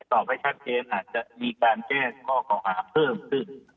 ตอบไว้ชัดเจนอาจจะมีการแจ้งข้อเก่าหาเพิ่มขึ้น